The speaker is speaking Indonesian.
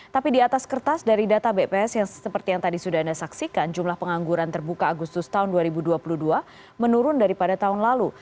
tapi di atas kertas dari data bps yang seperti yang tadi sudah anda saksikan jumlah pengangguran terbuka agustus tahun dua ribu dua puluh dua menurun daripada tahun lalu